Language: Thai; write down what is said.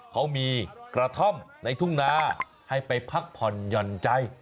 เขามีกระท่อมในทุ่งนาให้ไปพักผ่อนหย่อนใจ